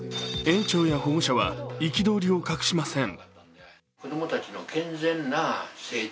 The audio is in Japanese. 園長や保護者は憤りを隠しません。